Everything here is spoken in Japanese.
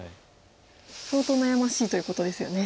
相当悩ましいということですよね。